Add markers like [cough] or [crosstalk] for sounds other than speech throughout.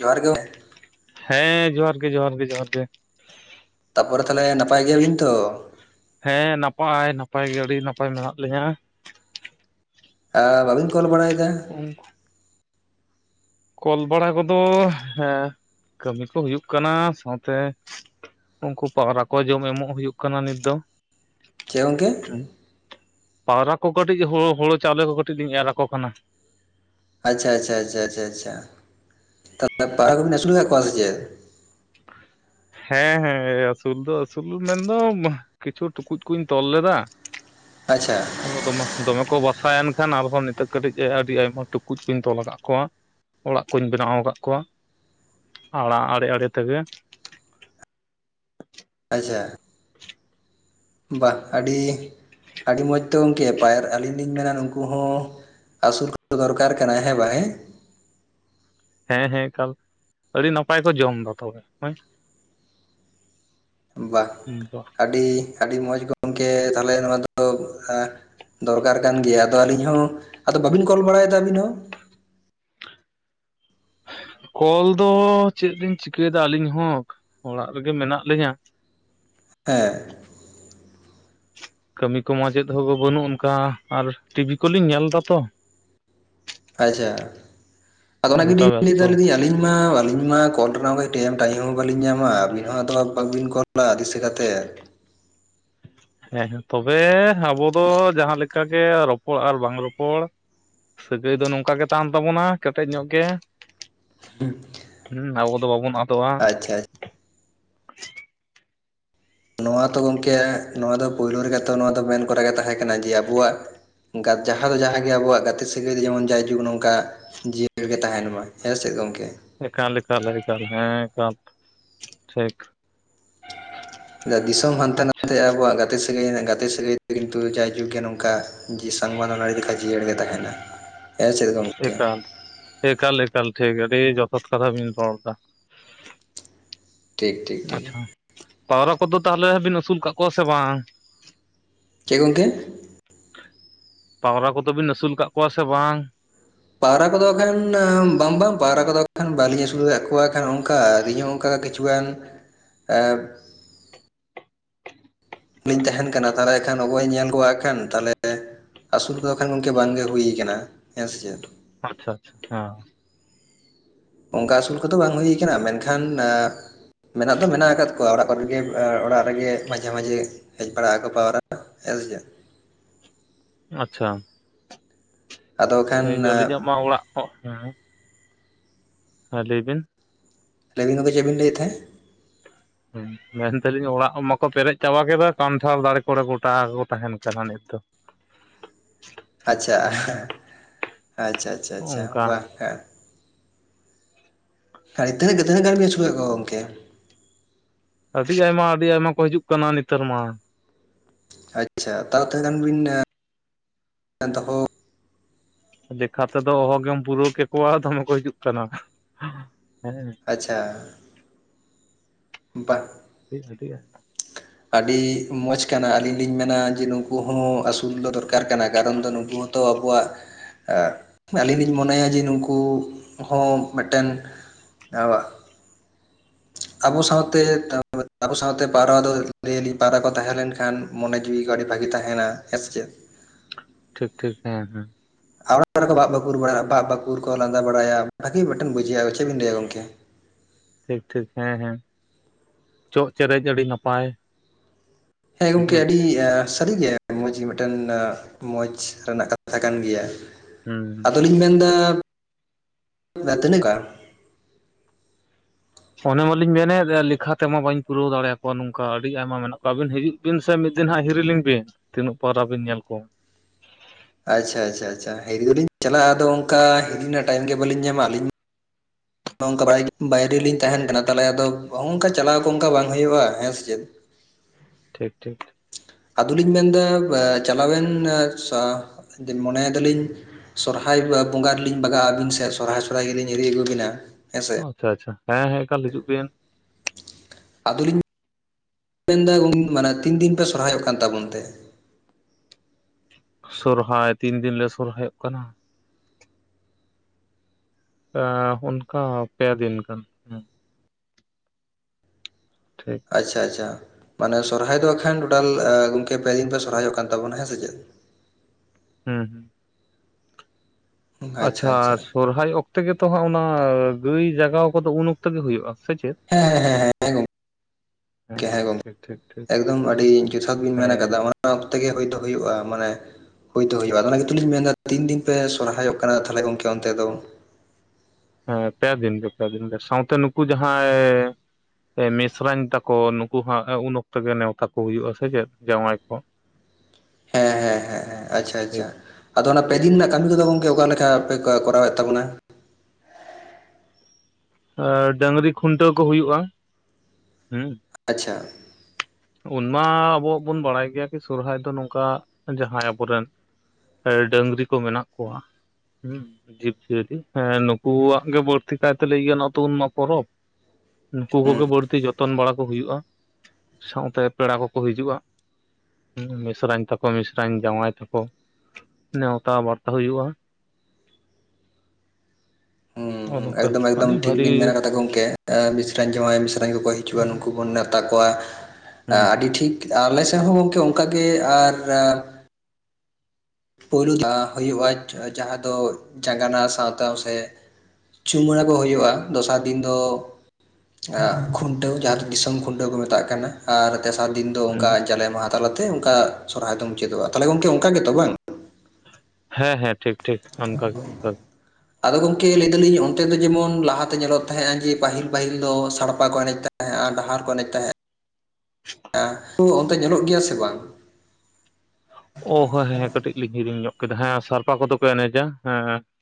ᱡᱚᱦᱟᱨ ᱜᱮ ᱦᱮᱸ ᱡᱚᱦᱟᱨ ᱜᱮ ᱡᱚᱦᱟᱨ ᱜᱮ ᱡᱚᱦᱟᱨ ᱜᱮ᱾ ᱛᱟᱯᱚᱨᱮ ᱛᱟᱦᱚᱞᱮ ᱱᱟᱯᱟᱭ ᱜᱮᱭᱟᱵᱤᱱ ᱛᱚ᱾ ᱦᱮᱸ ᱱᱟᱯᱟᱭ ᱱᱟᱯᱟᱭ ᱜᱮ ᱟᱹᱰᱤ ᱱᱟᱯᱟᱭ ᱢᱮᱱᱟᱜ ᱞᱤᱧᱟᱹ᱾ ᱟ ᱵᱟᱹᱵᱤᱱ ᱠᱚᱞ ᱵᱟᱲᱟᱭ ᱫᱟ᱾ [unintelligible] ᱠᱚᱞ ᱵᱟᱲᱟ ᱠᱚᱫᱚ ᱦᱮᱸ ᱠᱟᱹᱢᱤ ᱠᱚ ᱦᱩᱭᱩᱜ ᱠᱟᱱᱟ ᱥᱟᱶᱛᱮ᱾ ᱩᱱᱠᱩ ᱯᱟᱣᱨᱟ ᱠᱚ ᱡᱚᱢ ᱮᱢᱚᱜ ᱦᱩᱭᱩᱜ ᱠᱟᱱᱟ ᱱᱤᱛ ᱫᱚ᱾ ᱪᱮ ᱜᱚᱝᱠᱮ ᱦᱮᱸ ᱯᱟᱣᱨᱟ ᱠᱚ ᱠᱟᱹᱴᱤᱡ ᱦᱩᱲᱩ ᱦᱩᱲᱩ ᱪᱟᱣᱞᱮ ᱠᱚ ᱠᱟᱹᱴᱤᱡ ᱞᱤᱧ ᱮᱨ ᱟᱠᱚ ᱠᱟᱱᱟ᱾ ᱟᱪᱪᱷᱟ ᱟᱪᱪᱷᱟ ᱟᱪᱪᱷᱟ ᱟᱪᱪᱷᱟ ᱛᱟᱦᱚᱞᱮ ᱯᱟᱣᱨᱟ ᱠᱚᱵᱤᱱ ᱟᱹᱥᱩᱞ ᱟᱠᱟᱫ ᱠᱚᱣᱟ ᱥᱮ ᱪᱮᱫ᱾ [inaudible] ᱦᱮᱸ ᱦᱮᱸ ᱟᱹᱥᱩᱞ ᱫᱚ ᱟᱹᱥᱩᱞ ᱢᱮᱱᱫᱚ ᱠᱤᱪᱷᱩ ᱴᱩᱠᱩᱡ ᱠᱩᱧ ᱛᱚᱞ ᱞᱮᱫᱟ ᱾ ᱟᱪᱪᱷᱟ ᱾ [unintelligible] ᱫᱚ ᱫᱚᱢᱮ ᱠᱚ ᱵᱟᱥᱟᱭᱮᱱ ᱠᱷᱟᱱ ᱟᱨᱦᱚᱸ ᱱᱤᱛᱚᱜ ᱠᱟᱹᱴᱤᱡ ᱟᱹᱰᱤ ᱟᱭᱢᱟ ᱴᱩᱠᱩᱡ ᱠᱚᱧ ᱛᱚᱞ ᱟᱠᱟᱫ ᱠᱚᱣᱟ ᱾ ᱚᱲᱟᱜ ᱠᱩᱧ ᱵᱮᱱᱟᱣ ᱟᱠᱟᱫ ᱠᱚᱣᱟ ᱟᱲᱟᱜ ᱟᱲᱮ ᱟᱲᱮ ᱛᱮᱜᱮ ᱾ ᱟᱪᱪᱷᱟ ᱵᱟᱦ ᱟᱹᱰᱤ ᱟᱹᱰᱤ ᱢᱚᱡᱽ ᱛᱚ ᱜᱚᱝᱠᱮ ᱯᱟᱭ ᱟᱞᱤᱧ ᱞᱤᱧ ᱢᱮᱱᱟ ᱱᱩᱝᱠᱩ ᱦᱚᱸ ᱟᱹᱥᱩᱞ ᱠᱚ ᱫᱚᱨᱠᱟᱨ ᱠᱟᱱᱟ ᱦᱮᱸ ᱵᱟᱝ ᱦᱮᱸ? ᱦᱮᱸ ᱦᱮᱸ ᱮᱠᱟᱞ ᱟᱹᱰᱤ ᱱᱟᱯᱟᱭ ᱠᱚ ᱡᱚᱢ ᱫᱟ ᱛᱚᱵᱮ ᱾ ᱵᱟᱦ ᱟᱹᱰᱤ ᱟᱹᱰᱤ ᱢᱚᱡᱽ ᱜᱚᱝᱠᱮ ᱛᱟᱦᱞᱮ ᱱᱚᱣᱟ ᱫᱚ [unintelligible] ᱫᱚᱨᱠᱟᱨ ᱠᱟᱱ ᱜᱮᱭᱟ, ᱟᱫᱚ ᱟᱹᱞᱤᱧ ᱦᱚᱸ ᱟᱫᱚ ᱵᱟᱵᱤᱱ ᱠᱚᱞ ᱵᱟᱲᱟᱭᱮᱫᱟ ᱟᱹᱵᱤᱱ ᱦᱚᱸ ᱾ ᱠᱚᱞ ᱫᱚ ᱪᱮᱫ ᱞᱤᱧ ᱪᱤᱠᱟᱹᱭᱮᱫᱟ ᱟᱹᱞᱤᱧ ᱦᱚᱸᱠ ᱚᱲᱟᱜ ᱨᱮᱜᱮ ᱢᱮᱱᱟᱜ ᱞᱤᱧᱟᱹ ᱾ ᱦᱮᱸ ᱾ ᱠᱟᱹᱢᱤ ᱠᱚᱢᱟ ᱪᱮᱫ ᱦᱚᱸ ᱵᱟ ᱵᱟᱹᱱᱩᱜ ᱚᱱᱠᱟ ᱟᱨ ᱴᱤᱵᱷᱤ ᱠᱚᱞᱤᱧ ᱧᱮᱞ ᱫᱟ ᱛᱚ ᱾ ᱟᱪᱪᱷᱟ, ᱟᱫᱚ ᱚᱱᱟ ᱚᱱᱠᱟ ᱜᱤᱞᱤᱧ ᱞᱟᱹᱭ ᱫᱟ ᱵᱮᱥᱛᱚ ᱞᱟᱹᱭᱫᱤᱧ ᱟ ᱟᱹᱞᱤᱧ ᱢᱟ ᱟᱹᱞᱤᱧ ᱢᱟ ᱠᱚᱞ ᱨᱮᱱᱟᱜ ᱚᱱᱠᱟ ᱴᱮᱢ ᱴᱟᱭᱤᱢ ᱦᱚᱸ ᱵᱟᱞᱤᱧ ᱧᱟᱢᱟ ᱟᱹᱵᱤᱱ ᱦᱚᱸ ᱟᱫᱚ ᱵᱟᱝᱵᱤᱱ ᱠᱚᱞᱟ ᱫᱤᱥᱟᱹ ᱠᱟᱛᱮᱫ ᱾ ᱦᱮᱸᱜ ᱛᱚᱵᱮ ᱟᱵᱚ ᱫᱚ ᱡᱟᱦᱟᱸ ᱞᱮᱠᱟ ᱜᱮ ᱨᱚᱯᱚᱲ ᱟᱨ ᱵᱟᱝ ᱨᱚᱯᱚᱲ ᱥᱟᱹᱜᱟᱹᱭ ᱫᱚ ᱱᱚᱝᱠᱟ ᱜᱮ ᱛᱟᱦᱮᱱ ᱛᱟᱵᱚᱱᱟ ᱠᱮᱴᱮᱡ ᱧᱚᱜ ᱜᱮ ᱾ ᱦᱩᱸ ᱟᱵᱚ ᱫᱚ ᱵᱟᱵᱚᱱ ᱟᱫᱚᱜᱼᱟ ᱾ ᱟᱪᱪᱷᱟ ᱟᱪ ᱱᱚᱣᱟ ᱛᱚ ᱜᱚᱝᱠᱮ ᱱᱚᱣᱟ ᱫᱚ ᱯᱩᱭᱞᱩ ᱨᱮᱜᱮ ᱛᱚ ᱱᱚᱣᱟ ᱫᱚ ᱢᱮᱱ ᱠᱚᱨᱟ ᱜᱮ ᱛᱟᱦᱮᱸ ᱠᱟᱱᱟ ᱡᱮ ᱟᱵᱚᱣᱟᱜ ᱡᱟᱦᱟᱸ ᱫᱚ ᱡᱟᱦᱟᱸᱜᱮ ᱟᱵᱚᱣᱟᱜ ᱜᱟᱛᱮ ᱥᱟᱹᱜᱟᱹᱭ ᱫᱚ ᱡᱮᱢᱚᱱ ᱡᱟᱭᱡᱩᱜᱽ ᱱᱚᱝᱠᱟ ᱡᱤᱭᱟᱹᱲ ᱜᱮ ᱛᱟᱦᱮᱱ ᱢᱟ ᱦᱮᱸᱥᱮ ᱜᱚᱝᱠᱮ ᱾ ᱮᱠᱟᱞ ᱮᱠᱟᱞ ᱮᱠᱟᱞ ᱦᱮᱸ ᱮᱠᱟᱞ ᱴᱷᱤᱠ ᱾ ᱫᱤᱥᱚᱢ ᱦᱟᱱᱛᱮ ᱟᱪᱪᱷᱟ ᱱᱟᱛᱮᱜ-ᱟ ᱟᱵᱚᱣᱟᱜ ᱜᱟᱛᱮ [unintelligible] ᱨᱮᱱᱟᱜ ᱜᱟᱛᱮ ᱥᱟᱹᱜᱟᱹᱭ ᱫᱚ ᱠᱤᱱᱛᱩ ᱡᱟᱭᱡᱩᱜᱽ ᱜᱮ ᱱᱚᱝᱠᱟ ᱡᱤᱥᱟᱝ ᱵᱟᱸᱫᱚ ᱱᱟᱹᱲᱤ ᱞᱮᱠᱟ ᱡᱤᱭᱟᱹᱲ ᱜᱮ ᱛᱟᱦᱮᱱᱟ ᱾ ᱦᱮᱸ ᱪᱮᱫ ᱜᱚᱝ ᱮᱠᱟᱞ ᱾ ᱮᱠᱟᱞ ᱮᱠᱟᱞ ᱴᱷᱤᱠ, ᱟᱹᱰᱤ ᱡᱚᱛᱷᱟᱛ ᱠᱟᱛᱷᱟ ᱵᱤᱱ ᱨᱚᱲ ᱫᱟ ᱾ ᱴᱷᱤᱠ ᱴᱷᱤᱠ ᱴᱷᱤᱠ ᱟᱪᱪᱷᱟ, ᱯᱟᱣᱨᱟ ᱠᱚᱫᱚ ᱛᱟᱦᱞᱮ ᱵᱤᱱ ᱟᱹᱥᱩᱞ ᱠᱟᱜ ᱠᱚᱣᱟ ᱥᱮ ᱵᱟᱝ? ᱪᱮᱫ ᱜᱚᱝᱠᱮ? ᱯᱟᱣᱨᱟ ᱠᱚᱫᱚ ᱵᱤᱱ ᱟᱹᱥᱩᱞ ᱠᱟᱜ ᱠᱚᱣᱟ ᱥᱮ ᱵᱟᱝ? ᱯᱟᱣᱨᱟ ᱠᱚᱫᱚ ᱠᱷᱟᱱ ᱵᱟᱝ ᱵᱟᱝ ᱯᱟᱣᱨᱟ ᱠᱚᱫᱚ ᱠᱷᱟᱱ ᱵᱟᱹᱞᱤᱧ ᱟᱹᱥᱩᱞ ᱠᱟᱫ ᱠᱚᱣᱟ ᱾ ᱚᱱᱠᱟ ᱟᱞᱤᱧ ᱦᱚᱸ ᱚᱱᱠᱟ ᱠᱤᱪᱷᱩᱜᱟᱱ ᱮᱸᱜ ᱞᱤᱧ ᱛᱟᱦᱮᱱ ᱠᱟᱱᱟ ᱛᱟᱦᱚᱞᱮ ᱠᱷᱟᱱ ᱚᱠᱚᱭᱮ ᱧᱮᱞ ᱠᱚᱣᱟ ᱠᱷᱟᱱ ᱛᱟᱦᱚᱞᱮ ᱟᱹᱥᱩᱞ ᱠᱚᱫᱚ ᱠᱷᱟᱱ ᱜᱚᱝᱠᱮ ᱵᱟᱝᱜᱮ ᱦᱩᱭᱠᱟᱱᱟ ᱦᱮᱸ ᱥᱮ ᱪᱮᱫ ᱾ ᱟᱪᱪᱷᱟ ᱟᱪᱪᱷᱟ ᱦᱮᱸ ᱾ ᱚᱱᱠᱟ ᱟᱹᱥᱩᱞ ᱠᱚᱫᱚ ᱵᱟᱝ ᱦᱩᱭ ᱠᱟᱱᱟ ᱢᱮᱱᱠᱷᱟᱱ ᱮᱸ ᱢᱮᱱᱟᱜ ᱫᱚ ᱢᱮᱱᱟᱜ ᱟᱠᱟᱫ ᱠᱚᱣᱟ ᱚᱲᱟᱜ ᱠᱚᱨᱮᱜᱮ ᱚᱲᱟᱜ ᱨᱮᱜᱮ ᱢᱟᱡᱷᱮ ᱢᱟᱡᱷᱮ ᱦᱮᱡ ᱵᱟᱲᱟ ᱟᱠᱚ ᱯᱟᱣᱨᱟ, ᱦᱮ ᱥᱮ ᱪᱮᱫ ᱾ ᱟᱪᱪᱷᱟ ᱾ ᱟᱫᱚ ᱦᱮᱸ ᱠᱷᱟᱱ ᱡᱚᱞᱤ ᱧᱚᱜ ᱢᱟ ᱚᱲᱟᱜ ᱠᱚ [unintelligible] ᱦᱮᱸ ᱦᱮᱸ ᱞᱟᱹᱭ ᱵᱤᱱ ᱾ ᱞᱟᱹᱭ ᱵᱤᱱ ᱜᱚᱝᱠᱮ ᱪᱮᱫ ᱵᱤᱱ ᱞᱟᱹᱭᱮᱫ ᱛᱟᱦᱮᱸᱫ ᱾ ᱦᱩᱸ, ᱢᱮᱱ ᱫᱟᱞᱤᱧ ᱚᱲᱟᱜ ᱢᱟᱠᱚ ᱯᱮᱨᱮᱡ ᱪᱟᱵᱟ ᱠᱮᱫᱟ ᱠᱟᱱᱴᱷᱟᱲ ᱫᱟᱨᱮ ᱠᱚᱨᱮ ᱜᱚᱴᱟ ᱠᱚ ᱛᱟᱦᱮᱱ ᱠᱟᱱᱟ ᱱᱤᱛ ᱫᱚ ᱾ [unintelligible] ᱟᱪᱪᱷᱟ ᱟᱪᱪᱷᱟ ᱪᱷᱟ ᱪᱷᱟ ᱚᱝᱠᱟ ᱵᱟᱝ ᱦᱮ ᱟᱨ ᱛᱤᱱᱟᱹᱜ ᱜᱤ ᱛᱤᱱᱟᱹᱜ ᱜᱟᱱ ᱫᱩ ᱠᱮᱫ ᱠᱚᱣᱟ ᱜᱚᱝᱠᱮ ᱟᱹᱰᱤ ᱟᱭᱢᱟ ᱟᱹᱰᱤ ᱟᱭᱢᱟ ᱠᱚ ᱦᱤᱡᱩᱜ ᱠᱟᱱᱟ ᱱᱮᱛᱟᱨ ᱢᱟ ᱟᱪᱪᱷᱟ ᱛᱟᱣ ᱛᱤᱱᱟᱹᱜ ᱜᱟᱱ ᱵᱤᱱ ᱫᱚᱦᱚ ᱞᱮᱠᱷᱟ ᱛᱮᱫᱚ ᱚᱦᱚ ᱜᱮᱢ ᱯᱩᱨᱟᱹᱣ ᱠᱮᱠᱚᱣᱟ ᱫᱚᱢᱮ ᱠᱚ ᱦᱤᱡᱩᱜ ᱠᱟᱱᱟ ᱦᱮᱸ ᱟᱪᱪᱷᱟ ᱵᱟᱝ ᱦᱩᱭ ᱥᱟᱰᱤ ᱟ ᱟᱹᱰᱤ ᱢᱚᱡᱽ ᱠᱟᱱᱟ ᱟᱹᱞᱤᱧ ᱞᱤᱧ ᱢᱮᱱᱟ ᱡᱮ ᱱᱩᱝᱠᱩ ᱦᱚᱸ ᱟᱹᱥᱩᱞ ᱫᱚ ᱫᱚᱨᱠᱟᱨ ᱠᱟᱱᱟ ᱠᱟᱨᱚᱱ ᱫᱚ ᱱᱩᱠᱩ ᱦᱚᱸ ᱛᱚ ᱟᱵᱚᱣᱟᱜ ᱮ ᱟᱹᱞᱤᱧ ᱞᱤᱧ ᱢᱚᱱᱮᱭᱟ ᱡᱮ ᱱᱩᱠᱩ ᱦᱚᱸ ᱢᱤᱫᱴᱮᱱ ᱟᱵᱚ ᱥᱟᱶᱛᱮ [inaudible] ᱟᱵᱚ ᱥᱟᱶᱛᱮ ᱯᱟᱣᱨᱟ ᱫᱚ ᱞᱟᱹᱭ ᱟᱞᱤᱧ ᱯᱟᱣᱨᱟ ᱠᱚ ᱛᱟᱦᱮᱸ ᱞᱮᱱᱠᱷᱟᱱ ᱢᱚᱱᱮ ᱡᱤᱣᱤ ᱠᱚ ᱟᱹᱰᱤ ᱵᱷᱟᱹᱜᱤ ᱛᱟᱦᱮᱱᱟ ᱦᱮᱸ ᱥᱮᱪᱮᱫ? [unintelligible] ᱴᱷᱤᱠ ᱴᱷᱤᱠ ᱦᱮᱸ ᱦᱮᱸ ᱦ [unintelligible] [inaudible] ᱵᱷᱟᱜ ᱵᱷᱟᱠᱩᱨ ᱵᱟᱲᱟᱭᱟ ᱵᱷᱟᱜ ᱵᱷᱟᱠᱩᱨ ᱠᱚ ᱞᱟᱸᱫᱟ ᱵᱟᱲᱟᱭᱟ ᱵᱷᱟᱹᱜᱤ ᱢᱤᱫᱴᱮᱱ ᱵᱩᱡᱷᱟᱹᱜᱼᱟ᱾ ᱪᱮᱫᱵᱤᱱ ᱞᱟᱹᱭᱟ ᱜᱚᱝᱠᱮ? ᱴᱷᱤᱠ ᱴᱷᱤᱠ ᱦᱮᱸ ᱦᱮᱸ ᱪᱚᱜ ᱪᱮᱨᱮᱡ ᱟᱹᱰᱤ ᱱᱟᱯᱟᱭ ᱦᱮᱸ ᱜᱚᱝᱠᱮ ᱦᱩᱸ ᱟᱹᱰᱤ ᱥᱟᱹᱨᱤᱜᱮ ᱢᱚᱡᱽ ᱜᱮ ᱢᱤᱫᱴᱮᱱ ᱮ ᱢᱚᱡᱽ ᱨᱮᱱᱟᱜ ᱠᱟᱛᱷᱟ ᱠᱟᱱ ᱜᱮᱭᱟ ᱦᱩᱸ ᱦᱩᱸ ᱢᱮᱱᱫᱟᱢ [unintelligible] ᱚᱱᱮ ᱢᱟᱞᱤᱧ ᱢᱮᱱᱮᱫ ᱞᱮᱠᱷᱟ ᱛᱮᱢᱟ ᱵᱟᱹᱧ ᱯᱩᱨᱟᱹᱣ ᱫᱟᱲᱮᱭᱟᱠᱚᱣᱟ ᱱᱚᱝᱠᱟ ᱟᱹᱰᱤ ᱟᱭᱢᱟ ᱢᱮᱱᱟᱜ ᱠᱚᱣᱟ ᱟᱵᱤᱱ ᱦᱤᱡᱩᱜ ᱵᱤᱱ ᱥᱮ ᱢᱤᱫ ᱫᱤᱱ ᱦᱟᱸᱜ ᱦᱤᱨᱤ ᱞᱤᱧ ᱵᱤᱱ ᱛᱤᱱᱟᱹᱜ ᱯᱟᱣᱨᱟ ᱵᱤᱱ ᱧᱮᱞ ᱠᱚᱣᱟ ᱟᱪᱪᱷᱟ ᱟᱪᱪᱷᱟ ᱟᱪᱪᱷᱟ ᱦᱤᱨᱤ ᱫᱚᱞᱤᱧ ᱪᱟᱞᱟᱜᱼᱟ ᱟᱫᱚ ᱚᱱᱠᱟ ᱦᱤᱨᱤ ᱨᱮᱱᱟᱜ ᱴᱟᱭᱤᱢ ᱜᱮ ᱵᱟᱹᱞᱤᱧ ᱧᱟᱢᱟ ᱟᱹᱞᱤᱧ ᱚᱝᱠᱟ ᱵᱟᱭᱨᱤ ᱵᱟᱭᱨᱮ ᱞᱤᱧ ᱛᱟᱦᱮᱱ ᱠᱟᱱᱟ ᱛᱟᱦᱚᱞᱮ ᱟᱫᱚ ᱚᱱᱠᱟ ᱪᱟᱞᱟᱣ ᱠᱚ ᱚᱱᱠᱟ ᱵᱟᱝ ᱦᱩᱭᱩᱜᱼᱟ ᱦᱮᱸ ᱥᱮ ᱪᱮᱫ [unintelligible] ᱴᱷᱤᱠ ᱴᱷᱤᱠ ᱟᱫᱚᱞᱤᱧ ᱢᱮᱱᱫᱟ ᱪᱟᱞᱟᱣᱮᱱ ᱥᱟ ᱢᱚᱱᱮᱭ ᱫᱟᱞᱤᱧ ᱥᱚᱨᱦᱟᱭ ᱵᱚᱸᱜᱟ ᱨᱮᱞᱤᱧ ᱵᱟᱜᱟᱼᱟ ᱟᱹᱵᱤᱱ ᱥᱮᱫ ᱥᱚᱨᱦᱟᱭ ᱥᱚᱨᱦᱟᱭ ᱜᱮᱞᱤᱧ ᱦᱤᱨᱤ ᱟᱹᱜᱩ ᱵᱤᱱᱟ ᱦᱮᱥ ᱟᱪᱪᱷᱟ ᱟᱪᱪᱷᱟ ᱦᱮᱸ ᱦᱮ ᱮᱠᱟᱞ ᱦᱤᱡᱩᱜ ᱵᱤᱱ ᱟᱫᱚ ᱞᱤᱧ ᱢᱮᱱ ᱫᱟ ᱜᱚᱝ ᱢᱟᱱᱮ ᱛᱤᱱ ᱫᱤᱱ ᱯᱮ ᱥᱚᱨᱦᱟᱭᱚᱜ ᱠᱟᱱ ᱛᱮ ᱟᱵᱚ ᱚᱱᱛᱮ? ᱥᱚᱨᱦᱟᱭ ᱛᱤᱱᱫᱤᱱᱞᱮ ᱥᱚᱨᱦᱟᱭᱚᱜ ᱠᱟᱱᱟ ᱟ ᱚᱱᱠᱟ ᱯᱮ ᱫᱤᱱ ᱜᱟᱱ ᱦᱮᱸ ᱴᱷᱤᱠ ᱟᱪᱪᱷᱟ ᱟᱪᱪᱷᱟ ᱢᱟᱱᱮ ᱥᱚᱨᱦᱟᱭ ᱫᱚ ᱠᱷᱟᱱ ᱴᱳᱴᱟᱞ ᱜᱚᱝᱠᱮ ᱯᱮ ᱫᱤᱱ ᱯᱮ ᱥᱚᱨᱦᱟᱭᱚᱜ ᱠᱟᱱ ᱛᱟᱵᱚᱱᱟ ᱦᱮᱸ ᱥᱮ ᱪᱮᱫ? ᱦᱮᱸ ᱟᱪᱪᱷᱟ ᱟᱨ ᱥᱚᱨᱦᱟᱭ ᱚᱠᱛᱮ ᱜᱮᱛᱚ ᱦᱟᱸᱜ ᱚᱱᱟ ᱜᱟᱹᱭ ᱡᱟᱜᱟᱣ ᱠᱚᱫᱚ ᱩᱱ ᱚᱠᱛᱚ ᱜᱮ ᱦᱩᱭᱩᱜᱼᱟ ᱥᱮ ᱪᱮᱫ? ᱦᱮᱸ ᱦᱮᱸ ᱦᱮᱸ ᱜᱚᱝ ᱦᱮᱸ ᱠᱮᱦᱟ ᱴᱷᱤᱠ ᱜᱚᱝ ᱴᱷᱤᱠ ᱴᱷᱤᱠ ᱴᱷᱤᱠ ᱮᱠᱫᱚᱢ ᱟᱹᱰᱤ ᱡᱚᱛᱷᱟᱛ ᱵᱤᱱ ᱢᱮᱱ ᱠᱟᱫᱟ ᱦᱮᱸ ᱚᱱᱟ ᱚᱱᱟ ᱚᱠᱛᱮ ᱜᱮ ᱦᱩᱭ ᱫᱚ ᱦᱩᱭᱩᱜᱼᱟ ᱢᱟᱱᱮ ᱦᱩᱭ ᱫᱚ ᱦᱩᱭᱩᱜᱼᱟ ᱚᱱᱟ ᱜᱮᱛᱚ ᱞᱤᱧ ᱢᱮᱱ ᱮᱫᱟ ᱛᱤᱱ ᱫᱤᱱ ᱯᱮ ᱥᱚᱨᱦᱟᱭᱚᱜ ᱠᱟᱱᱟ ᱛᱟᱦᱚᱞᱮ ᱜᱚᱝᱠᱮ ᱚᱱᱛᱮ ᱫᱚ? ᱦᱮᱸ ᱯᱮ ᱫᱤᱱ ᱜᱮ ᱯᱮ ᱫᱤᱱ ᱜᱮ ᱥᱟᱶᱛᱮ ᱱᱩᱠᱩ ᱡᱟᱦᱟᱸᱭ ᱢᱤᱥᱨᱟᱧ ᱛᱟᱠᱚ ᱱᱩᱠᱩ ᱦᱟᱸᱜ ᱩᱱ ᱚᱠᱛᱚ ᱜᱮ ᱱᱮᱣᱛᱟ ᱠᱚ ᱦᱩᱭᱩᱜᱼᱟ ᱥᱮ ᱪᱮᱫ ᱡᱟᱶᱟᱭ ᱠᱚ? ᱦᱮᱸ ᱦᱮᱸ ᱦᱮᱸ ᱦᱮᱸ, ᱟᱪᱪᱷᱟ ᱟᱪᱪᱷᱟ᱾ ᱴᱷᱤᱠ ᱟᱫᱚ ᱚᱱᱟ ᱯᱮ ᱫᱤᱱ ᱨᱮᱱᱟᱜ ᱠᱟᱹᱢᱤ ᱠᱚᱫᱚ ᱜᱚᱝᱠᱮ ᱚᱠᱟ ᱞᱮᱠᱟ ᱯᱮ ᱠᱚᱨᱟᱣᱮᱫ ᱛᱟᱵᱚᱱᱟ? ᱟᱻ ᱰᱟᱝᱨᱤ ᱠᱷᱩᱱᱴᱟᱹᱣ ᱠᱚ ᱦᱩᱭᱩᱜ-ᱟ ᱦᱩᱸ᱾ ᱟᱪᱪᱷᱟ᱾ ᱩᱱᱢᱟ ᱟᱵᱚᱣᱟᱜ ᱵᱚᱱ ᱵᱟᱲᱟᱭ ᱜᱮᱭᱟ ᱠᱤ ᱥᱚᱨᱦᱟᱭ ᱫᱚ ᱱᱚᱝᱠᱟ ᱡᱟᱦᱟᱸᱭ ᱟᱵᱚᱨᱮᱱ ᱥᱮ ᱰᱟᱹᱝᱨᱤ ᱠᱚ ᱢᱮᱱᱟᱜ ᱠᱚᱣᱟ᱾ ᱦᱩᱸ ᱡᱤᱵᱽ ᱡᱤᱭᱟᱹᱞᱤ, ᱦᱮᱸ ᱱᱩᱠᱩᱣᱟᱜ ᱜᱮ ᱵᱟᱹᱲᱛᱤ ᱠᱟᱭᱛᱮ᱾ ᱞᱟᱹᱭ ᱜᱟᱱᱚ-ᱟ ᱛᱚ ᱩᱱ ᱢᱟ ᱯᱚᱨᱚᱵᱽ, ᱱᱩᱠᱩ ᱦᱩᱸ ᱠᱚᱜᱮ ᱵᱟᱹᱲᱛᱤ ᱡᱚᱛᱚᱱ ᱵᱟᱲᱟ ᱠᱚ ᱦᱩᱭᱩᱜ-ᱟ᱾ ᱥᱟᱶᱛᱮ ᱯᱮᱲᱟ ᱠᱚᱠᱚ ᱦᱤᱡᱩᱜ-ᱟ᱾ ᱦᱩᱸ, ᱢᱤᱥᱨᱟᱧ ᱛᱟᱠᱚ, ᱢᱤᱥᱨᱟᱧ ᱡᱟᱶᱟᱭ ᱛᱟᱠᱚ᱾ ᱱᱮᱣᱛᱟ ᱵᱟᱨᱛᱮ ᱦᱩᱭᱩᱜ-ᱟ᱾ [inaudible] ᱱᱚᱜ-ᱚ ᱱᱚᱝᱠᱟ᱾ ᱮᱠᱫᱚᱢ ᱟᱹᱰᱤ ᱮᱠᱫᱚᱢ ᱴᱷᱤᱠ ᱵᱷᱟᱹᱨᱤ ᱵᱤᱱ ᱢᱮᱱ ᱠᱟᱫᱟ ᱜᱚᱝᱠᱮ᱾ ᱮᱸ ᱢᱤᱥᱨᱟᱧ ᱡᱟᱶᱟᱭ ᱢᱤᱥᱨᱟᱧ ᱠᱚᱠᱚ ᱦᱤᱡᱩᱜ-ᱟ ᱱᱩᱠᱩ ᱵᱚᱱ ᱱᱮᱣᱛᱟ ᱠᱚᱣᱟ ᱦᱩᱸ ᱟᱹᱰᱤ ᱴᱷᱤᱠ᱾ ᱟᱞᱮ ᱥᱮᱜ ᱦᱚᱸ ᱜᱚᱝᱠᱮ ᱚᱝᱠᱟ ᱜᱮ ᱟᱨ ᱯᱳᱭᱞᱳ ᱡᱟᱦᱟᱸ ᱦᱩᱭᱩᱜ-ᱟ ᱡᱟᱦᱟᱸ ᱫᱚ ᱡᱟᱜᱟᱱᱟ ᱥᱟᱶᱛᱟ ᱥᱮ ᱪᱩᱢᱟᱹᱲᱟ ᱫᱚ ᱦᱩᱭᱩᱜ-ᱟ ᱫᱚᱥᱟᱨ ᱫᱤᱱ ᱫᱚ ᱟᱸᱜ, ᱠᱷᱩᱱᱴᱟᱹᱣ ᱡᱟᱦᱟᱸ ᱫᱤᱥᱚᱢ ᱠᱷᱩᱱᱴᱟᱹᱣ ᱠᱚ ᱢᱮᱛᱟᱜ ᱠᱟᱱᱟ, ᱟᱨ ᱛᱮᱥᱟᱨ ᱫᱤᱱ ᱫᱚ ᱦᱩᱸ ᱚᱝᱠᱟ ᱡᱟᱞᱮ ᱢᱟᱦᱟ ᱛᱟᱞᱟᱛᱮ ᱚᱝᱠᱟ ᱥᱚᱨᱦᱟᱭ ᱫᱚ ᱢᱩᱪᱟᱹᱫᱚᱜ-ᱟ᱾ ᱛᱟᱞᱦᱮ ᱜᱚᱝᱠᱮ ᱚᱝᱠᱟ ᱜᱮᱛᱚ ᱵᱟᱝ? ᱦᱮᱸ ᱦᱮᱸ ᱴᱷᱤᱠ ᱴᱷᱤᱠ ᱚᱱᱠᱟ ᱜᱮ ᱚᱱᱠᱟ ᱜᱮ᱾ ᱟᱫᱚ ᱜᱚᱝᱠᱮ ᱞᱟᱹᱭ ᱫᱟᱞᱤᱧ ᱚᱱᱛᱮ ᱫᱚ ᱡᱮᱢᱚᱱ ᱞᱟᱦᱟᱛᱮ ᱧᱮᱞᱚᱜ ᱛᱟᱦᱮᱸᱜ-ᱟ ᱡᱮ ᱯᱟᱹᱦᱤᱞ ᱯᱟᱹᱦᱤᱞ ᱫᱚ ᱥᱟᱲᱯᱟ ᱠᱚ ᱮᱱᱮᱡ ᱛᱟᱸᱦᱮ᱾ ᱦᱮᱸ ᱟᱨ ᱰᱟᱦᱟᱨ ᱠᱚ ᱮᱱᱮᱡ ᱛᱟᱦᱮᱸ, ᱛᱳ ᱚᱱᱛᱮ ᱧᱮᱞᱚᱜ ᱜᱮᱭᱟ ᱥᱮ ᱵᱟᱝ? ᱳ ᱦᱳ ᱦᱮᱸ ᱦᱮᱸ ᱠᱟᱹᱴᱤᱡ ᱞᱤᱧ ᱦᱤᱲᱤᱧ ᱧᱚᱜ ᱠᱮᱫᱟ, ᱦᱮᱸ ᱟᱨ ᱥᱟᱲᱯᱟ ᱠᱚᱫᱚ ᱠᱚ ᱮᱱᱮᱡᱟ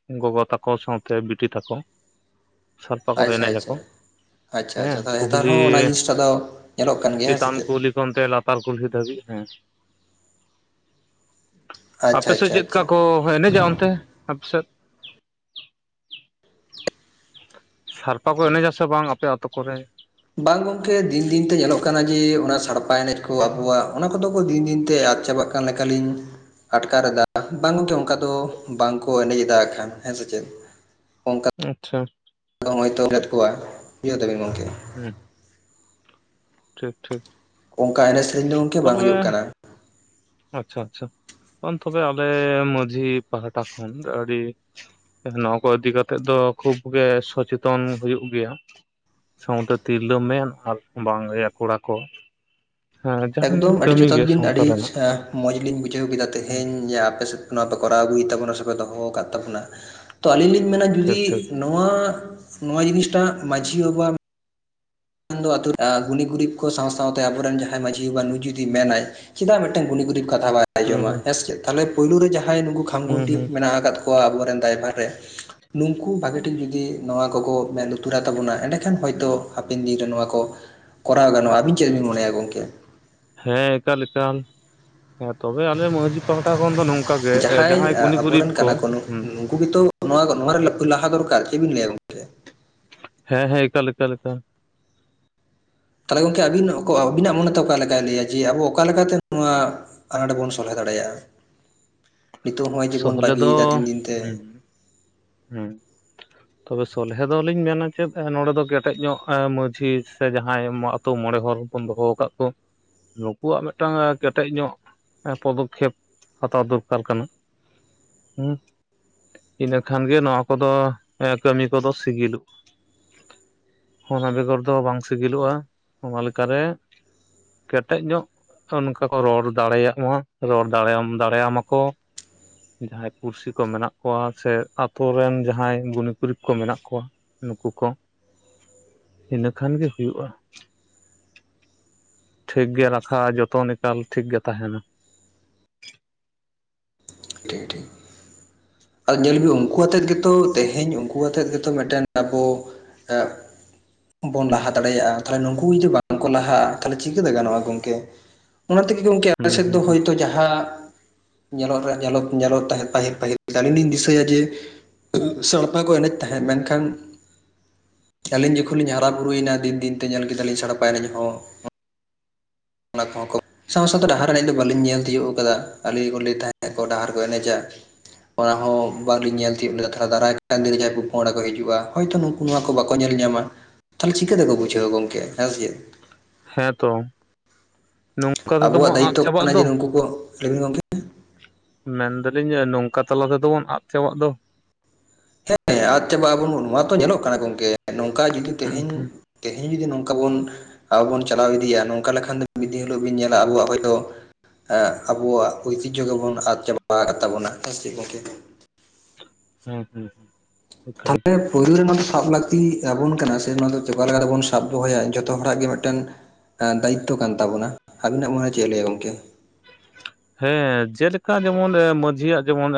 ᱦᱮᱸ᱾ ᱜᱚᱜᱚ ᱛᱟᱠᱚ ᱥᱟᱶᱛᱮ ᱵᱤᱴᱤ ᱛᱟᱠᱚ ᱥᱟᱲᱯᱟ ᱠᱚᱫᱚ ᱟᱪᱪᱷᱟ ᱮᱱᱮᱡ ᱟᱪᱪᱷᱟ ᱟᱠᱚ᱾ ᱟᱪᱪᱷᱟ ᱦᱮᱸ ᱟᱪᱪᱷᱟ ᱛᱟᱦᱚᱞᱮ ᱱᱮᱛᱟᱨ ᱠᱩᱠᱞᱤ ᱦᱚᱸ ᱚᱱᱟ ᱡᱤᱱᱤᱥᱴᱟ ᱫᱚ ᱧᱮᱞᱚᱜ ᱠᱟᱱ ᱜᱮᱭᱟ ᱦᱮᱸ ᱥᱮ ᱥᱤᱛᱟᱢ ᱪᱮᱫ? ᱠᱩᱞᱤ ᱚᱱᱛᱮ ᱞᱟᱛᱟᱨ ᱠᱩᱞᱦᱤ ᱫᱷᱟᱹᱵᱤᱡ ᱦᱮᱸ᱾ ᱟᱪᱪᱷᱟ ᱟᱯᱮ ᱥᱮᱫ ᱟᱪᱪᱷᱟ ᱪᱮᱫᱠᱟ ᱟᱪᱪᱷᱟ ᱠᱚ ᱮᱱᱮᱡᱟ ᱚᱱᱛᱮ? ᱟᱯᱮ ᱥᱮᱫ? ᱥᱟᱞᱯᱟ ᱠᱚ ᱮᱱᱮᱡᱟ ᱥᱮ ᱵᱟᱝ ᱟᱯᱮ ᱟᱛᱳ ᱠᱚᱨᱮ? ᱵᱟᱝ ᱜᱚᱝᱠᱮ᱾ ᱫᱤᱱ ᱫᱤᱱ ᱛᱮ ᱧᱮᱞᱚᱜ ᱠᱟᱱᱟ ᱡᱮ ᱚᱱᱟ ᱥᱟᱲᱯᱟ ᱮᱱᱮᱡ ᱠᱚ ᱟᱵᱚᱣᱟᱜ, ᱚᱱᱟ ᱠᱚᱫᱚ ᱠᱚ ᱫᱤᱱ ᱫᱤᱱ ᱛᱮ ᱟᱫ ᱪᱟᱵᱟᱜ ᱠᱟ ᱠᱟᱱ ᱞᱮᱠᱟᱞᱤᱧ ᱟᱴᱠᱟᱨᱮᱫᱟ᱾ ᱵᱟᱝ ᱜᱚᱝᱠᱮ ᱚᱱᱠᱟ ᱫᱚ ᱵᱟᱝ ᱠᱚ ᱮᱱᱮᱡ ᱮᱫᱟ ᱦᱟᱸᱜ ᱠᱷᱟᱱ ᱦᱮᱸ ᱥᱮ ᱪᱮᱫ? ᱚᱜᱠᱟ ᱟᱪᱪᱷᱟ᱾ ᱠᱟᱞᱚᱢ ᱦᱚᱭᱛᱚ [unintelligible] ᱠᱚᱣᱟ ᱤᱭᱟᱹ ᱛᱟᱹᱵᱤᱱ ᱜᱚᱢᱠᱮ᱾ ᱦᱩᱸ᱾ ᱴᱷᱤᱠ ᱴᱷᱤᱠ᱾ ᱚᱝᱠᱟ ᱮᱱᱮᱡ ᱥᱮᱨᱤᱧ ᱫᱚ ᱜᱚᱝᱠᱮ ᱵᱟᱝ ᱛᱚᱵᱮ ᱦᱩᱭᱩᱜ ᱠᱟᱱᱟ᱾ ᱟᱪᱪᱷᱟ ᱟᱪᱪᱷᱟ, ᱟᱢ ᱛᱚᱵᱮ ᱟᱞᱮ ᱢᱟᱺᱡᱷᱤ ᱯᱟᱦᱴᱟ ᱠᱷᱚᱱ ᱟᱹᱰᱤ ᱱᱚᱣᱟ ᱠᱚ ᱤᱫᱤ ᱠᱟᱛᱮᱫ ᱫᱚ ᱠᱷᱩᱵ ᱜᱮ ᱥᱚᱪᱮᱛᱚᱱ ᱦᱩᱭᱩᱜ ᱜᱮᱭᱟ᱾ ᱥᱟᱶᱛᱮ ᱛᱤᱨᱞᱟᱹ ᱢᱮᱱ ᱟᱨ ᱵᱟᱝ ᱤᱭᱟᱹ ᱠᱚᱲᱟ ᱠᱚ᱾ ᱦᱮᱸ ᱡᱟᱦᱟᱱ ᱮᱠᱫᱚᱢ ᱟᱹᱰᱤ ᱠᱟᱹᱢᱤ ᱡᱚᱛᱷᱟᱛ ᱜᱮ ᱵᱤᱱ, ᱥᱟᱶᱛᱟ ᱟᱹᱰᱤ ᱨᱮᱱᱟᱜ ᱢᱚᱸᱡᱽᱞᱤᱧ ᱵᱩᱡᱷᱟᱹᱣ ᱠᱮᱫᱟ ᱛᱮᱦᱮᱧ ᱟᱯᱮ ᱥᱮᱫ ᱱᱚᱣᱟ ᱯᱮ ᱠᱚᱨᱟᱣ ᱟᱹᱜᱩᱭᱮᱫ ᱛᱟᱵᱚᱱᱟ ᱥᱮᱯᱮ ᱫᱚᱦᱚ ᱟᱠᱟᱫ ᱛᱟᱵᱚᱱᱟ᱾ ᱛᱚ ᱟᱞᱤᱧᱞᱤᱧ ᱢᱮᱱᱟ ᱴᱷᱤᱠ ᱡᱩᱫᱤ ᱴᱷᱤᱠ ᱱᱚᱣᱟ, ᱱᱚᱣᱟ ᱡᱤᱱᱤᱥᱴᱟᱜ ᱢᱟᱺᱡᱷᱤ ᱵᱟᱵᱟ ᱟᱱ ᱫᱚ ᱟᱹᱛᱩ ᱜᱩᱱᱤ ᱜᱩᱨᱤᱵᱽ ᱠᱚ ᱥᱟᱶ ᱥᱟᱶᱛᱮ ᱟᱵᱚᱨᱮᱱ ᱡᱟᱦᱟᱸᱭ ᱢᱟᱺᱡᱷᱤ ᱵᱟᱵᱟ ᱱᱩᱭ ᱡᱩᱫᱤ ᱢᱮᱱᱟᱭ ᱪᱮᱫᱟᱜ ᱢᱤᱫᱴᱮᱱ ᱜᱩᱱᱤ ᱜᱩᱨᱤᱵ ᱠᱟᱛᱷᱟ ᱵᱟᱭ ᱦᱩᱸ ᱟᱸᱡᱚᱢᱟ ᱦᱩᱸ ᱦᱮᱸ ᱥᱮ ᱪᱮᱫ ᱛᱟᱦᱚᱞᱮ ᱯᱳᱭᱞᱳ ᱨᱮ ᱡᱟᱦᱟᱸᱭ ᱱᱩᱠᱩ ᱦᱩᱸ ᱠᱷᱟᱢᱜᱷᱩᱱᱴᱤ ᱦᱩᱸ ᱢᱮᱱᱟᱜ ᱟᱠᱟᱫ ᱠᱚᱣᱟ ᱟᱵᱚᱨᱮᱱ ᱫᱟᱭᱵᱷᱟᱨ ᱨᱮ ᱱᱩᱠᱩ ᱵᱷᱟᱹᱜᱤ ᱴᱷᱤᱠ ᱡᱩᱫᱤ ᱱᱚᱣᱟ ᱠᱚᱠᱚ ᱢᱮᱫ ᱞᱩᱛᱩᱨᱟᱜ ᱛᱟᱵᱚᱱᱟ ᱮᱸᱰᱮᱠᱷᱟᱱ ᱦᱚᱭᱛᱳ ᱦᱟ- -ᱯᱮᱱ ᱫᱤᱱ ᱨᱮ ᱱᱚᱣᱟ ᱠᱚ ᱠᱚᱨᱟᱣ ᱜᱟᱱᱚᱜᱼᱟ᱾ ᱟᱹᱵᱤᱱ ᱪᱮᱫ ᱵᱤᱱ ᱢᱚᱱᱮᱭᱟ ᱜᱚᱝᱠᱮ? ᱦᱮᱸ ᱮᱠᱟᱞ ᱮᱠᱟᱞ᱾ ᱦᱮᱸ ᱛᱚᱵᱮ ᱟᱞᱮ ᱢᱟᱺᱡᱷᱤ ᱯᱟᱦᱴᱟ ᱠᱷᱚᱱ ᱫᱚ ᱱᱚᱝᱠᱟ ᱜᱮ ᱡᱟᱦᱟᱸᱭ ᱜᱩᱱᱤ ᱜᱩᱨᱤᱵ ᱠᱚ [unintelligible] ᱠᱩ ᱜᱮᱛᱚ ᱱᱚᱣᱟ ᱱᱚᱣᱟ ᱨᱮ ᱞᱟ ᱞᱟᱦᱟ ᱫᱚᱠᱟᱨ ᱪᱮ ᱵᱤᱱ ᱞᱟᱹᱭᱟ ᱜᱚᱝ? ᱦᱮᱸ ᱦᱮᱸ ᱮᱠᱟᱞ ᱮᱠᱟᱞ ᱾ ᱛᱟᱦᱚᱞᱮ ᱜᱚᱝᱠᱮ ᱟᱹᱵᱤᱱ ᱟᱹᱵᱤᱱᱟᱜ ᱢᱚᱱᱮ ᱛᱮ ᱚᱠᱟ ᱞᱮᱠᱟᱭ ᱞᱟᱹᱭᱟ ᱡᱮ ᱟᱵᱚ ᱚᱠᱟ ᱞᱮᱠᱟᱛᱮ ᱱᱚᱣᱟ ᱟᱱᱟᱴ ᱵᱚᱱ ᱥᱚᱞᱦᱮ ᱫᱟᱲᱮᱭᱟᱜᱼᱟ? ᱱᱤᱛᱚᱜ ᱦᱚᱜᱼᱚᱭ ᱡᱮ ᱵᱚᱱ ᱥᱚᱦᱞᱮ ᱫᱚ ᱵᱟᱹᱜᱤᱭᱮᱫᱟ ᱫᱤᱱ ᱫᱤᱱ ᱛᱮ ᱾ ᱦᱩᱸ ᱦᱩᱸ ᱾ ᱛᱚᱵᱮ ᱥᱚᱞᱦᱮ ᱫᱚᱞᱤᱧ ᱢᱮᱱᱟ ᱪᱮᱫ ᱱᱚᱸᱰᱮ ᱫᱚ ᱠᱮᱴᱮᱡ ᱧᱚᱜ ᱢᱟᱺᱡᱷᱤ ᱥᱮ ᱡᱟᱦᱟᱸᱭ ᱟᱛᱳ ᱢᱚᱬᱮ ᱦᱚᱲ ᱵᱚᱱ ᱫᱚᱦᱚ ᱟᱠᱟᱫ ᱠᱚ ᱱᱩᱠᱩᱣᱟᱜ ᱢᱤᱫᱴᱟᱝ ᱠᱮᱴᱮᱡ ᱧᱚᱜ ᱯᱚᱫᱚᱠᱠᱷᱮᱯ ᱦᱟᱛᱟᱣ ᱫᱚᱨ ᱠᱟᱨ ᱠᱟᱱᱟ ᱾ ᱦᱩᱸ ᱤᱱᱟᱹ ᱠᱷᱟᱱ ᱜᱮ ᱱᱚᱣᱟ ᱠᱚᱫᱚ ᱠᱟᱹᱢᱤ ᱠᱚᱫᱚ ᱥᱤᱜᱤᱞᱚᱜᱼᱟ ᱾ ᱚᱱᱟ ᱵᱮᱜᱚᱨ ᱫᱚ ᱵᱟᱝ ᱥᱤᱜᱤᱞᱚᱜᱼᱟ, ᱚᱱᱟ ᱞᱮᱠᱟᱨᱮ ᱠᱮᱴᱮᱡ ᱧᱚᱜ ᱚᱱᱠᱟ ᱠᱚ ᱨᱚᱲ ᱫᱟᱲᱮᱭᱟᱜ ᱢᱟ, ᱨᱚᱲ ᱫᱟᱲᱮᱭ ᱫᱟᱲᱮᱭᱟᱢᱟ ᱠᱚ ᱾ ᱡᱟᱦᱟᱸᱭ ᱯᱩᱲᱥᱤ ᱠᱚ ᱢᱮᱱᱟᱜ ᱠᱚᱣᱟ, ᱥᱮ ᱟᱛᱩ ᱨᱮᱱ ᱡᱟᱦᱟᱸᱭ ᱜᱩᱱᱤ ᱜᱩᱨᱤᱵᱽ ᱠᱚ ᱢᱮᱱᱟᱜ ᱠᱚᱣᱟ ᱱᱩᱠᱩ ᱠᱚ, ᱤᱱᱟᱹ ᱠᱷᱟᱱ ᱜᱮ ᱦᱩᱭᱩᱜᱼᱟ ᱾ ᱴᱷᱤᱠ ᱜᱮ ᱨᱟᱠᱷᱟ ᱡᱚᱛᱚᱱ ᱮᱠᱟᱞ ᱴᱷᱤᱠ ᱜᱮ ᱛᱟᱦᱮᱱᱟ ᱾ [unintelligible] ᱟᱨ ᱧᱮᱞ ᱵᱤᱱ ᱩᱱᱠᱩ ᱟᱛᱮᱜ ᱜᱮᱛᱚ ᱛᱮᱦᱮᱧ ᱩᱱᱠᱩ ᱟᱛᱮᱜ ᱜᱮᱛᱚ ᱢᱤᱫᱴᱮᱱ ᱟᱵᱚ ᱮᱸᱜ ᱵᱚᱱ ᱞᱟᱦᱟ ᱫᱟᱲᱮᱭᱟᱜᱼᱟ ᱾ ᱛᱟᱦᱚᱞᱮ ᱱᱩᱠᱩ ᱡᱩᱫᱤ ᱵᱟᱝᱠᱚ ᱞᱟᱦᱟᱜᱼᱟ ᱛᱟᱦᱚᱞᱮ ᱪᱤᱠᱟᱹᱛᱮ ᱜᱟᱱᱚᱜᱼᱟ ᱜᱚᱝᱠᱮ? ᱚᱱᱟ ᱛᱮᱜᱮ ᱜᱚᱝᱠᱮ ᱦᱩᱸ ᱟᱞᱮ ᱥᱮᱫ ᱫᱚ ᱦᱩᱸ ᱦᱩᱸ ᱦᱳᱭᱛᱳ ᱡᱟᱦᱟᱸ, ᱧᱮᱞᱚᱜ ᱨᱮᱭᱟᱜ ᱧᱮᱞ ᱚᱜ ᱧᱮᱞᱚᱫ ᱛᱟᱦᱮᱸᱫ ᱯᱟᱹᱦᱤᱞ ᱯᱟᱹᱦᱤᱞ ᱾ ᱟᱹᱞᱤᱧ ᱞᱤᱧ ᱫᱤᱥᱟᱹᱭᱟ ᱡᱮ [unintelligible] ᱥᱟᱲᱯᱟ ᱠᱚ ᱮᱱᱮᱡ ᱛᱟᱦᱮᱸᱫ ᱢᱮᱱᱠᱷᱟᱱ ᱟᱹᱞᱤᱧ ᱡᱚᱠᱷᱚᱱ ᱞᱤᱧ ᱦᱟᱨᱟ ᱵᱩᱨᱩᱭᱮᱱᱟ ᱫᱤᱱ ᱫᱤᱱ ᱛᱮ ᱧᱮᱞ ᱠᱮᱫᱟᱞᱤᱧ ᱥᱟᱲᱯᱟ ᱮᱱᱮᱡ ᱦᱚᱸ ᱚᱱᱟ ᱠᱚᱦᱚᱸ ᱠᱚ ᱥᱟᱶ ᱥᱟᱶᱛᱮ ᱰᱟᱦᱟᱨ ᱮᱱᱮᱡ ᱫᱚ ᱵᱟᱹᱞᱤᱧ ᱧᱮᱞ ᱛᱤᱭᱳᱜ ᱠᱟᱫᱟ, ᱟᱹᱞᱤᱧ ᱠᱚ ᱞᱟᱹᱭ ᱛᱟᱦᱮᱸᱫ ᱠᱚ ᱰᱟᱦᱟᱨ ᱠᱚ ᱮᱱᱮᱡᱟ ᱾ ᱚᱱᱟ ᱦᱚᱸ ᱵᱟᱝᱞᱤᱧ ᱧᱮᱞ ᱛᱤᱭᱳᱜ ᱞᱮᱫᱟ ᱛᱟᱦᱞᱮ ᱫᱟᱨᱟᱭ ᱠᱟᱱ ᱨᱮ ᱡᱟᱦᱟᱸᱭ ᱯᱳ ᱯᱚᱸᱝᱲᱟ ᱠᱚ ᱦᱤᱡᱩᱜᱼᱟ ᱦᱚᱭᱛᱳ ᱱᱩᱠ ᱠᱩ ᱱᱚᱣᱟ ᱠᱚ ᱵᱟᱠᱚ ᱧᱮᱞ ᱧᱟᱢᱟ ᱛᱟᱦᱚᱞᱮ ᱪᱤᱠᱟᱹ ᱛᱮᱠᱚ ᱵᱩᱡᱷᱟᱹᱣᱟ ᱜᱚᱝᱠᱮ ᱦᱮᱸ ᱥᱮ ᱪᱮᱫ? ᱦᱮᱸ ᱛᱚ ᱾ [unintelligible] ᱟᱵᱚᱣᱟᱜ ᱫᱟᱭᱤᱛᱛᱚ ᱪᱟᱵᱟᱜ ᱠᱟᱱᱟ ᱡᱮ ᱫᱚ ᱱᱩᱠᱩ ᱠᱚ, ᱞᱟᱹᱭ ᱵᱤᱱ ᱜᱚᱝᱠᱮ ᱾ ᱢᱮᱱ ᱫᱟᱹᱞᱤᱧ ᱱᱚᱝᱠᱟ ᱛᱟᱞᱟ ᱛᱮᱫᱚ ᱵᱚᱱ ᱟᱫ ᱪᱟᱵᱟᱜ ᱫᱚ ᱾ ᱦᱮᱸ ᱟᱫ ᱪᱟᱵᱟᱜ ᱟᱵᱚᱱ ᱱᱚᱣᱟ ᱛᱚ ᱧᱮᱞᱚᱜ ᱠᱟᱱᱟ ᱜᱚᱝᱠᱮ ᱱᱚᱝᱠᱟ ᱡᱩᱫᱤ ᱦᱩᱸ ᱛᱮᱦᱮᱧ ᱦᱩᱸ ᱛᱮᱦᱮᱧ ᱡᱩᱫᱤ ᱱᱚᱝᱠᱟ ᱵᱚᱱ ᱟᱵᱚ ᱵᱚᱱ ᱪᱟᱞᱟᱣ ᱤᱫᱤᱭᱤᱭᱟ ᱱᱚᱝᱠᱟ ᱞᱮᱠᱷᱟᱱ ᱫᱚ ᱢᱤᱫ ᱫᱤᱱ ᱦᱤᱞᱳᱜ ᱵᱤᱱ ᱧᱮᱞᱟ ᱟᱵᱚᱣᱟᱜ ᱦᱚᱭᱛᱳ ᱮᱸᱜ ᱟᱵᱚᱣᱟᱜ ᱳᱭᱛᱤᱡᱷᱚ ᱜᱮᱵᱚᱱ ᱟᱫ ᱪᱟᱵᱟ ᱟᱠᱟᱫ ᱛᱟᱵᱚᱱᱟ ᱦᱮᱸ ᱥᱮ ᱪᱮᱫ ᱜᱚᱝᱠᱮ? ᱦᱩᱸ ᱦᱩᱸ ᱦᱩᱸ ᱾ ᱛᱟᱦᱚᱞᱮ ᱯᱳᱭᱞᱳ ᱨᱮ ᱱᱚᱣᱟ ᱫᱚ ᱥᱟᱵ ᱞᱟᱹᱠᱛᱤ ᱟᱵᱚᱱ ᱠᱟᱱᱟ ᱥᱮ ᱱᱚᱣᱟ ᱫᱚ ᱪᱮᱠᱟ ᱞᱮᱠᱟ ᱠᱟᱛᱮᱵᱚᱱ ᱥᱟᱵ ᱫᱚᱦᱚᱭᱟ ᱡᱚᱛᱚ ᱦᱚᱲᱟᱜ ᱜᱮ ᱢᱤᱫᱴᱮᱱ ᱫᱟᱭᱤᱛᱛᱚ ᱠᱟᱱ ᱛᱟᱵᱚᱱᱟ ᱾ ᱟᱹᱵᱤᱱᱟᱜ ᱢᱚᱱᱮ ᱪᱮᱫ ᱮ ᱞᱟᱹᱭᱟ ᱜᱚᱝᱠᱮ [unintelligible] ᱦᱮᱸ ᱡᱮᱞᱮᱠᱟ ᱡᱮᱢᱚᱱ ᱢᱟᱹᱡᱷᱤᱭᱟᱜ ᱡᱮᱢᱚᱱ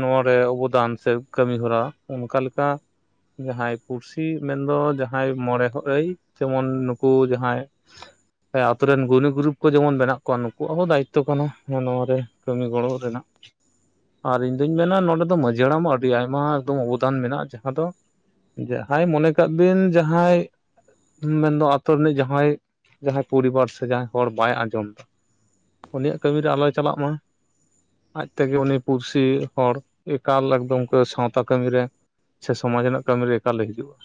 ᱱᱚᱣᱟ ᱨᱮ ᱚᱵᱚᱫᱟᱱ ᱥᱮ ᱠᱟᱹᱢᱤ ᱦᱚᱨᱟ, ᱚᱱᱠᱟ ᱞᱮᱠᱟ, ᱡᱟᱦᱟᱸᱭ ᱯᱩᱲᱥᱤ ᱢᱮᱱ ᱫᱚ ᱡᱟᱦᱟᱸᱭ ᱢᱚᱬᱮ ᱦᱚ ᱟᱹᱭ ᱛᱮᱢᱚᱱ ᱱᱩᱠᱩ ᱡᱟᱦᱟᱸᱭ, ᱦᱮ ᱟᱛᱳ ᱨᱮᱱ ᱜᱩᱱᱤ ᱜᱩᱨᱤᱵᱽ ᱠᱚ ᱡᱮᱢᱚᱱ ᱢᱮᱱᱟᱜ ᱠᱚᱣᱟ ᱱᱩᱠᱩᱣᱟᱜ ᱦᱚᱸ ᱫᱟᱭᱤᱛ ᱛᱚ ᱠᱟᱱᱟ ᱱᱚᱣᱟ ᱨᱮ ᱠᱟᱹᱢᱤ ᱜᱚᱲᱚ ᱨᱮᱱᱟᱜ᱾ ᱟᱨ ᱤᱧ ᱫᱩᱧ ᱢᱮᱱᱟ ᱱᱚᱰᱮ ᱫᱚ ᱢᱟᱹᱡᱷᱤ ᱦᱟᱲᱟᱢ ᱦᱚᱸ ᱟᱹᱰᱤ ᱟᱭᱢᱟ ᱮᱠᱫᱚᱢ ᱚᱵᱚᱫᱟᱱ ᱢᱮᱱᱟᱜᱼᱟ ᱡᱟᱦᱟᱸ ᱫᱚ ᱡᱟᱦᱟᱸᱭ ᱢᱚᱱᱮ ᱠᱟᱜ ᱵᱤᱱ ᱡᱟᱦᱟᱸᱭ ᱢᱮᱱ ᱫᱚ ᱟᱛᱳ ᱨᱤᱱᱤᱡ ᱡᱟᱦᱟᱸᱭ, ᱡᱟᱦᱟᱸᱭ ᱯᱩᱨᱤᱵᱟᱨ ᱥᱮ ᱡᱟᱦᱟᱸᱭ ᱦᱚᱲ ᱵᱟᱭ ᱟᱸᱡᱚᱢ ᱮᱫᱟ ᱩᱱᱤᱭᱟᱜ ᱠᱟᱹᱢᱤ ᱨᱮ ᱟᱞᱚᱭ ᱪᱟᱞᱟᱜ ᱢᱟ, ᱟᱡ ᱛᱮ ᱜᱮ ᱩᱱᱤ ᱯᱩᱲᱥᱤ ᱦᱚᱲ ᱮᱠᱟᱞ ᱮᱠᱫᱚᱢ ᱠᱚ ᱥᱟᱶᱛᱟ ᱠᱟᱹᱢᱤ ᱨᱮ ᱥᱮ ᱥᱚᱢᱟᱡᱽ ᱨᱮᱱᱟᱜ ᱠᱟᱹᱢᱤ ᱨᱮ ᱮᱠᱟᱞᱮ ᱦᱤᱡᱩᱜᱼᱟ,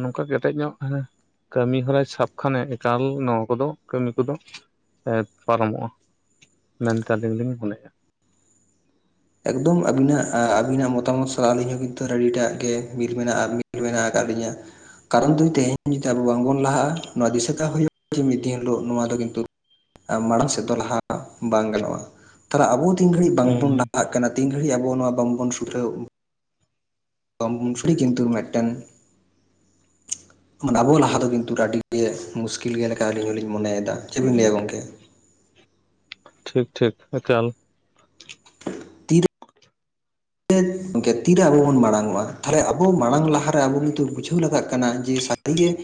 ᱱᱚᱝᱠᱟ ᱠᱮᱴᱮᱡ ᱧᱚᱜ ᱦᱮ ᱠᱟᱹᱢᱤ ᱦᱚᱨᱟᱭ ᱥᱟᱵᱽ ᱠᱷᱟᱱᱮ ᱮᱠᱟᱞ ᱱᱚᱣᱟ ᱠᱚ ᱫᱚ ᱠᱟᱹᱢᱤ ᱠᱚ ᱫᱚ, ᱮ ᱯᱟᱨᱚᱢᱚᱜᱼᱟ, ᱢᱮᱱᱛᱮ ᱟᱹᱞᱤᱧ ᱞᱤᱧ ᱢᱚᱱᱮᱭᱮᱜᱼᱟ᱾ ᱮᱠᱫᱚᱢ ᱟᱹᱵᱤᱱᱟᱜ ᱟᱹᱵᱤᱱᱟᱜ ᱢᱚᱛᱟᱢᱚᱛ ᱥᱚᱦᱚ ᱟᱹᱞᱤᱧ ᱦᱚᱸ ᱠᱤᱱᱛᱩ ᱨᱮᱰᱤᱴᱟᱜ ᱜᱮ ᱢᱤᱞ ᱢᱮᱱᱟᱜᱼᱟ᱾ ᱢᱮᱱᱟᱜ ᱟᱠᱟᱫ ᱞᱤᱧᱟᱹ, ᱠᱟᱨᱚᱱ ᱡᱩᱫᱤ ᱛᱮᱦᱮᱧ ᱡᱩᱫᱤ ᱟᱵᱚ ᱵᱟᱝᱵᱚᱱ ᱞᱟᱦᱟᱜᱼᱟ, ᱱᱚᱣᱟ ᱫᱤᱥᱟᱹ ᱠᱚᱜ ᱦᱳᱭᱳᱜᱼᱟ᱾ ᱡᱮ ᱢᱤᱫ ᱫᱤᱱ ᱦᱤᱞᱳᱜ ᱱᱚᱣᱟ ᱫᱚ ᱠᱤᱱᱛᱩ ᱢᱟᱲᱟᱝ ᱥᱮᱫ ᱫᱚ ᱞᱟᱦᱟ ᱵᱟᱝ ᱜᱟᱱᱚᱜᱼᱟ᱾ ᱛᱟᱦᱚᱞᱮ ᱟᱵᱚ ᱛᱤᱱ ᱜᱷᱟᱹᱲᱤᱡ ᱵᱟᱝᱵᱚᱱ ᱞᱟᱦᱟᱜ ᱠᱟᱱᱟ ᱛᱤᱱ ᱜᱷᱟᱹᱲᱤᱡ ᱟᱵᱚ ᱱᱚᱣᱟ ᱵᱟᱝ ᱵᱚᱱ ᱥᱩᱫᱷᱚᱨᱟᱣᱟᱹ, ᱠᱤᱱᱛᱩ ᱢᱤᱫ ᱴᱮᱱ, ᱢᱟᱱᱮ ᱟᱵᱚᱣᱟᱜ ᱞᱟᱦᱟ ᱫᱚ ᱠᱤᱱᱛᱩ ᱟᱹᱰᱤ ᱜᱮ ᱢᱩᱥᱠᱤᱞ ᱜᱮ ᱞᱮᱠᱟ ᱟᱹᱞᱤᱧ ᱦᱚᱸᱞᱤᱧ ᱢᱚᱱᱮᱭᱮᱫᱟ, ᱪᱮᱫ ᱵᱤᱱ ᱞᱟᱹᱭᱟ ᱜᱚᱢᱠᱮ? ᱴᱷᱤᱠ ᱴᱷᱤᱠ ᱮᱠᱟᱞ, [inaudible] ᱛᱤᱨᱮ ᱟᱵᱚ ᱵᱚᱱ ᱢᱟᱲᱟᱝ ᱚᱜᱼᱟ᱾ ᱛᱟᱦᱚᱞᱮ ᱟᱵᱚ ᱢᱟᱲᱟᱝ ᱞᱟᱦᱟ ᱨᱮ ᱟᱵᱚ ᱠᱤᱱᱛᱩ ᱵᱩᱡᱷᱟᱹᱣ ᱞᱟᱜᱟᱜ ᱠᱟᱱᱟ, ᱡᱮ ᱥᱟᱹᱨᱤ ᱜᱮ,